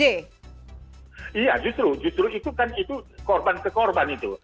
iya justru justru itu kan itu korban ke korban itu